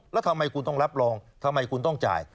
แล้วทำไมคุณต้องรับรองทำไมคุณต้องจ่าย